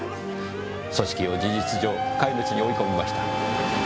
組織を事実上壊滅に追い込みました。